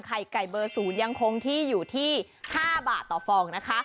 ไข่ไก่เบอร์๐ยังคงที่อยู่ที่๕บาทต่อฟองนะคะ